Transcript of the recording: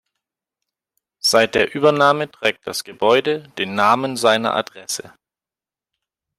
Seit der Übernahme trägt das Gebäude den Namen seiner Adresse.